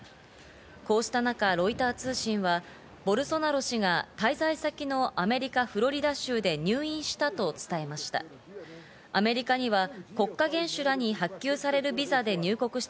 こうした中、ロイター通信はボルソナロ氏が滞在先のアメリカ・フロリダ州で入院したと伝えました。